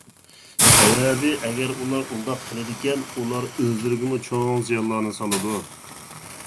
سەۋەبى، ئەگەر ئۇلار ئۇنداق قىلىدىكەن، ئۇلار ئۆزلىرىگىمۇ چوڭ زىيانلارنى سالىدۇ.